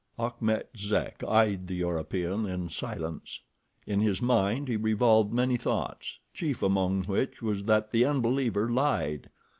Achmet Zek eyed the European in silence. In his mind he revolved many thoughts, chief among which was that the unbeliever lied.